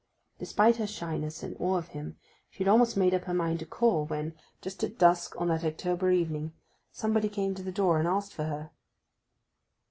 Despite her shyness and awe of him she had almost made up her mind to call when, just at dusk on that October evening, somebody came to the door and asked for her.